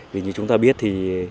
vì như chúng ta biết thì